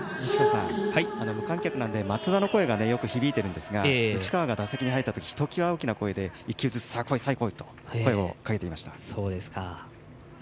無観客なので松田の声がよく響いているんですが内川が打席に入ったときひときわ大きな声でさあ来い、さあ来いと声をかけていました。